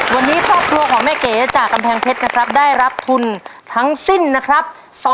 วันนี้ครอบครัวของแม่เก๋จากกำแพงเพชรนะครับได้รับทุนทั้งสิ้นนะครับ